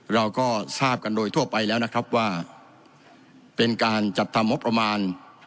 เราก็ทราบกันโดยทั่วไปแล้วนะครับว่าเป็นการจัดทำงบประมาณ